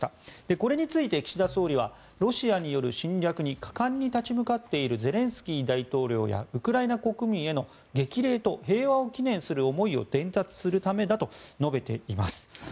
これについて岸田総理はロシアによる侵略に果敢に立ち向かっているゼレンスキー大統領やウクライナ国民への激励と平和を祈念する思いを伝達するためだと述べています。